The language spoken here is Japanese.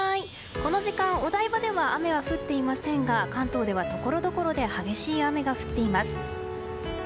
この時間、お台場では雨は降っていませんが関東ではところどころで激しい雨が降っています。